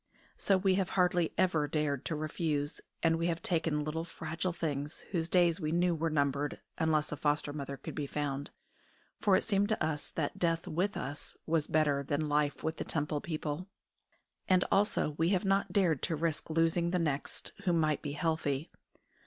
So we have hardly ever dared to refuse, and we have taken little fragile things whose days we knew were numbered unless a foster mother could be found, for it seemed to us that death with us was better than life with the Temple people; and also we have not dared to risk losing the next, who might be healthy.